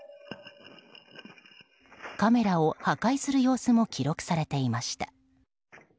カメラを破壊する様子も記録されていました。